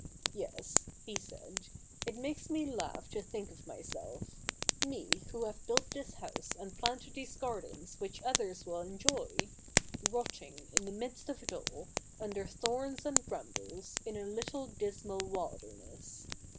Yes," he said, " it makes me laugh to think of myself — me, who have built this hou^e and planted these gardens which others will enjoy — rotting in the midst of it all, under thorns and brambles, in a little dismal wilderness.